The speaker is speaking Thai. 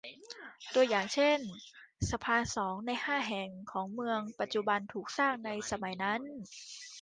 ตัวอย่างเช่น สะพานสองในห้าแห่งของเมืองปัจจุบันถูกสร้างในสมัยนั้น